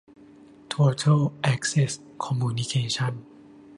โทเทิ่ล แอ็คเซ็ส คอมมูนิเคชั่น